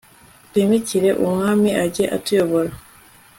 twimikire umwami ajye atuyobora